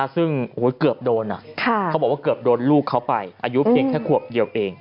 ซึ่งเกือบโดนเขาบอกว่าเกือบโดนลูกเขาไปอายุเพียงแค่ขวบเดียวเอง